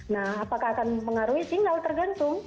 nah apakah akan mengaruhi tinggal tergantung